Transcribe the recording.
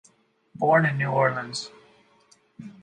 Born in New Orleans.